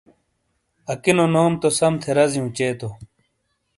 اکینو نوم تو سمتھے رزیوں چے تو۔